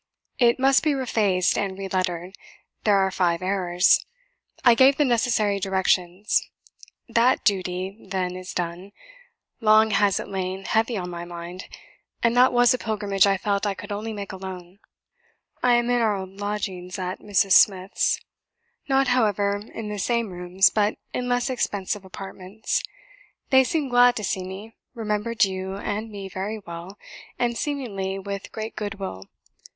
It must be refaced and relettered; there are five errors. I gave the necessary directions. THAT duty, then, is done; long has it lain heavy on my mind; and that was a pilgrimage I felt I could only make alone. "I am in our old lodgings at Mrs. Smith's; not, however, in the same rooms, but in less expensive apartments. They seemed glad to see me, remembered you and me very well, and, seemingly, with great good will.